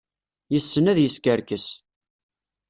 Yessen ad yeskerkes.